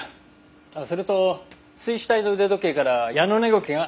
あっそれと水死体の腕時計からヤノネゴケが検出されました。